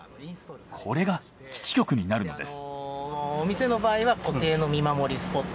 これが基地局になるのです。